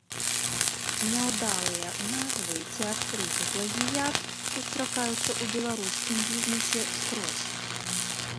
Няўдалыя назвы ці адкрыты плагіят сустракаюцца ў беларускім бізнэсе скрозь.